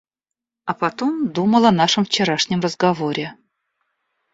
А потом думал о нашем вчерашнем разговоре.